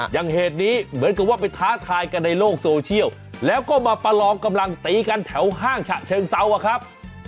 อย่างเหตุนี้เหมือนกับว่าไปท้าทายกันในโลกโซเชียลแล้วก็มาประลองกำลังตีกันแถวห้างฉะเชิงเซาอะครับ